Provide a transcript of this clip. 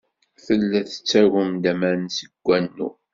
Tella tettagem-d aman seg wanu.